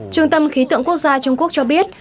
trung tâm khí tượng quốc gia trung quốc cho biết